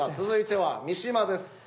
続いては三島です。